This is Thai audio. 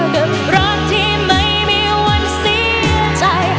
กับรักที่ไม่มีวันเสียใจ